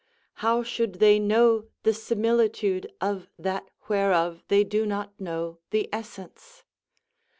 How should they know the similitude of that whereof they do not know the essence?